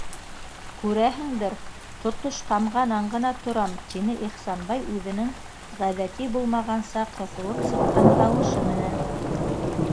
Күрәһеңдер: тотош тамғанан ғына торам, - тине Ихсанбай үҙенең ғәҙәти булмағанса ҡыҫылып сыҡҡан тауышы менән.